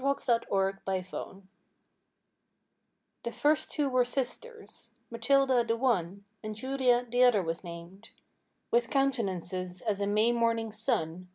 MATILDA AND JULIA AND JOE The first two were sisters; Matilda, the one. And Julia, the other was named; With countenances as a May morning's sun.